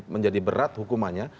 menjadi berat hukumannya